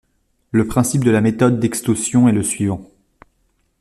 Le principe de la méthode d'exhaustion est le suivant.